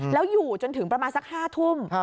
แล้วอยู่จนถึงประมาณสัก๕ทุ่ม